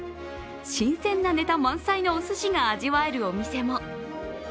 新鮮なネタ満載のおすしが味わえるお店も。